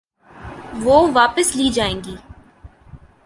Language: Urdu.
وہ واپس لی جائیں گی۔